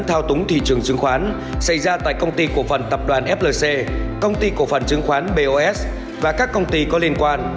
thao túng thị trường chứng khoán xảy ra tại công ty cổ phần tập đoàn flc công ty cổ phần chứng khoán bos và các công ty có liên quan